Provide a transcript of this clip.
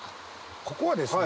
ここはですね